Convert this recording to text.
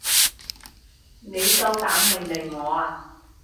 你夠膽命令我啊？